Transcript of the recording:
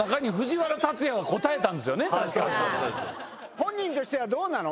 本人としてはどうなの？